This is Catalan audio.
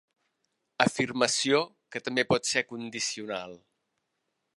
Afirmació que també pot ser condicional.